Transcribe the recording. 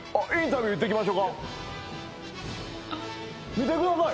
見てください！